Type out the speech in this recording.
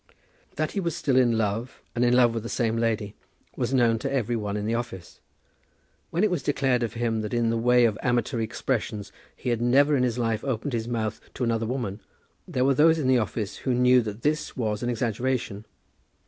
That he was still in love, and in love with the same lady, was known to every one in the office. When it was declared of him that in the way of amatory expressions he had never in his life opened his mouth to another woman, there were those in the office who knew that this was an exaggeration.